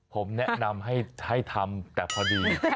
ผมแนะนำให้ทำแต่พอดี